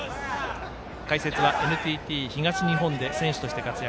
解説はＮＴＴ東日本で選手として活躍。